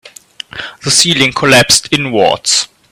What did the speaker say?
The ceiling collapsed inwards.